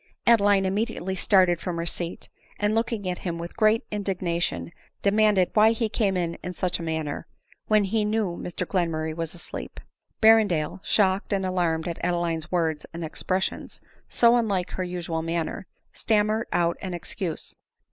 Adeline immediately started from her seat, and, look \ m ADELINE MOWBRAY. 185 ing at him with great indignation, demanded why he came in in such a manner, when he knew Mr Glenmurray was asleep. Berrendale, shocked and alarmed at Adeline's words and expressions, so unlike her usual manner, stammered out an excuse.